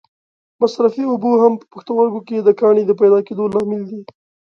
مصرفې اوبه هم په پښتورګو کې د کاڼې د پیدا کېدو لامل دي.